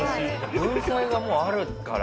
文才がもうあるから。